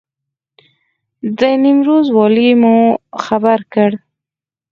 د نیمروز والي مو خبر کړ.